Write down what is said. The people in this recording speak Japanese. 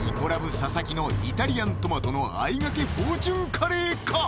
・佐々木のイタリアントマトのあいがけフォーチュンカレーか？